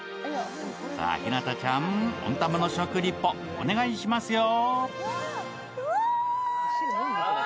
さあ、日向ちゃん、温玉の食リポ、お願いしますよ。